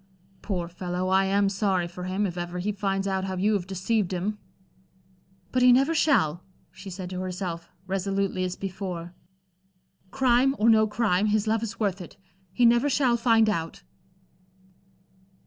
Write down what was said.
"Poor fellow, I am sorry for him, if ever he finds out how you have deceived him." "But he never shall," she said to herself, resolutely as before. "Crime or no crime, his love is worth it. He never shall find out."